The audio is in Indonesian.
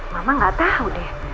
mama enggak tahu deh